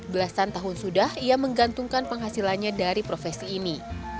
belasan tahun sudah ia menggantungkan penghasilannya dari profesi ini